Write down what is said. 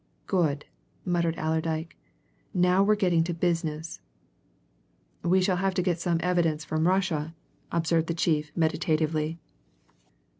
"Good!" muttered Allerdyke. "Now we're getting to business." "We shall have to get some evidence from Russia," observed the chief meditatively.